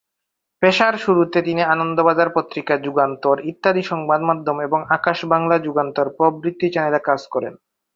পেশার শুরুতে তিনি "আনন্দবাজার পত্রিকা", "যুগান্তর", ইত্যাদি সংবাদমাধ্যম এবং "আকাশ বাংলা", "যুগান্তর" প্রভৃতি চ্যানেলে কাজ করেন।